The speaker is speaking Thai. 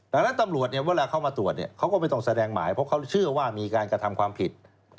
ดังนั้นตำรวจเนี่ยเวลาเขามาตรวจเขาก็ไม่ต้องแสดงหมายเพราะเขาเชื่อว่ามีการกระทำความผิด